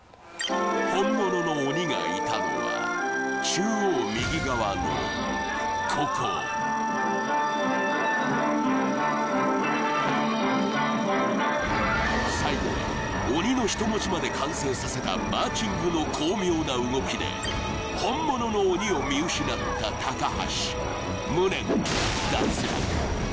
本物の鬼がいたのは中央右側のここ最後はまで完成させたマーチングの巧妙な動きで本物の鬼を見失った高橋無念の脱落